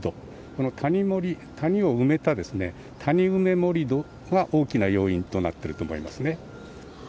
この谷盛り、谷を埋めた谷埋め盛り土が大きな要因となっていると思いますね。